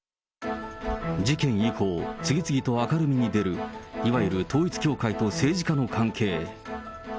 事件以降、次々と明るみに出る、いわゆる統一教会と政治家の関係。